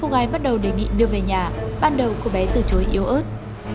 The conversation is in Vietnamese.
cô gái bắt đầu đề nghị đưa về nhà ban đầu cô bé từ chối yếu ớt